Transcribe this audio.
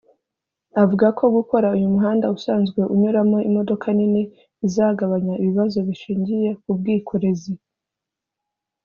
Avuga ko gukora uyu muhanda usanzwe unyuramo imodoka nini bizagabanya ibibazo bishingiye ku bwikorezi